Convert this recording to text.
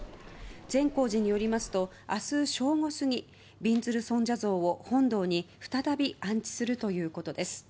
善光寺によりますと明日正午過ぎびんずる尊者像を、本堂に再び安置するということです。